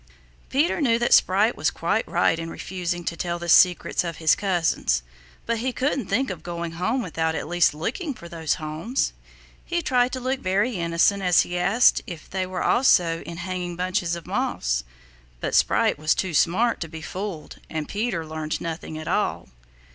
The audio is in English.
Peter knew that Sprite was quite right in refusing to tell the secrets of his cousins, but he couldn't think of going home without at least looking for those homes. He tried to look very innocent as he asked if they also were in hanging bunches of moss. But Sprite was too smart to be fooled and Peter learned nothing at all.